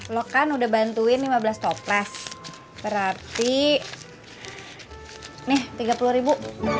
lo kan udah bantuin lima belas toples berarti nih tiga puluh ribu